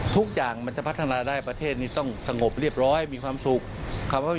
ทุกอย่างมันจะพัฒนาได้ประเทศนี้ต้องสงบเรียบร้อยมีความสุข